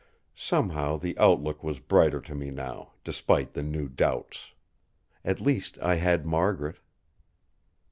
Somehow, the outlook was brighter to me now, despite the new doubts. At least I had Margaret!